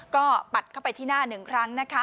ก็ปัดเข้าไปที่หน้าหนึ่งครั้งนะคะ